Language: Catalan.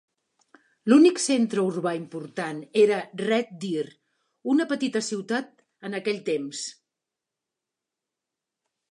L'únic centre urbà important era Red Deer, una petita ciutat en aquell temps.